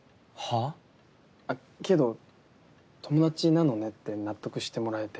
あっけど友達なのねって納得してもらえて。